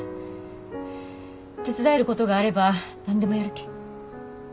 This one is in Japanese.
手伝えることがあれば何でもやるけん。